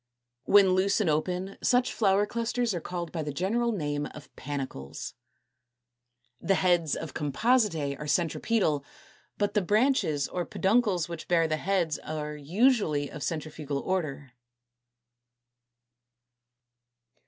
When loose and open such flower clusters are called by the general name of Panicles. The heads of Compositæ are centripetal; but the branches or peduncles which bear the heads are usually of centrifugal order.